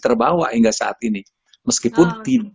terbawa hingga saat ini meskipun tim